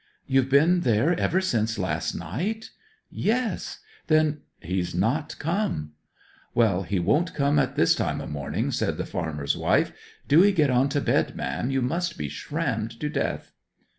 'You've been there ever since last night?' 'Yes.' 'Then ' 'He's not come.' 'Well, he won't come at this time o' morning,' said the farmer's wife. 'Do 'ee get on to bed, ma'am. You must be shrammed to death!'